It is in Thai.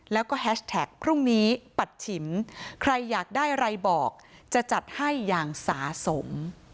แล้วก็แฮชแท็กพรุ่งนี้ปัดฉิมใครอยากได้อะไรบอกจะจัดให้อย่างสะสม